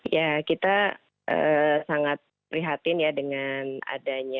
ya kita sangat prihatin ya dengan adanya